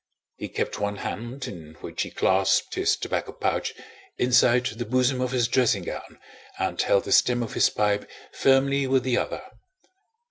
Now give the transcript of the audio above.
He kept one hand, in which he clasped his tobacco pouch, inside the bosom of his dressing gown and held the stem of his pipe firmly with the other.